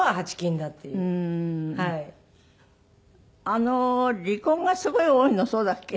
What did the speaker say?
あの離婚がすごい多いのそうだっけ？